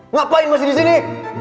ngapain masih disini